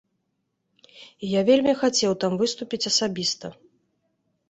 І я вельмі хацеў там выступіць асабіста.